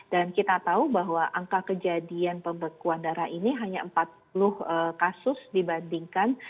dan kita tahu bahwa angka kejadian pembekuan darah ini hanya empat puluh kasus dibandingkan